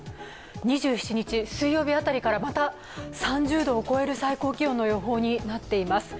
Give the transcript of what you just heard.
２７日水曜日辺りからまた３０度を超える最高気温を超える予想になっています。